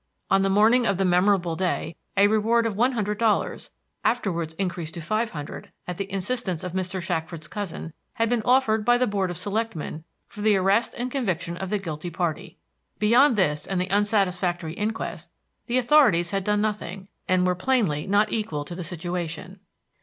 On the morning of the memorable day a reward of one hundred dollars afterwards increased to five hundred, at the insistence of Mr. Shackford's cousin had been offered by the board of selectmen for the arrest and conviction of the guilty party. Beyond this and the unsatisfactory inquest, the authorities had done nothing, and were plainly not equal to the situation.